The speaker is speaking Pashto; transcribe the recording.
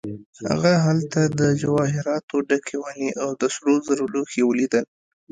هغه هلته د جواهراتو ډکې ونې او د سرو زرو لوښي ولیدل.